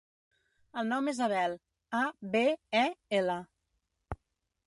El nom és Abel: a, be, e, ela.